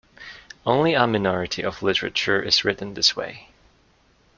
Only a minority of literature is written this way.